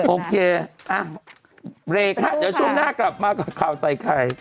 โอเคอ่ะเรคล่ะเดี๋ยวชุมหน้ากลับมากกว่าข่าวใส่ใคร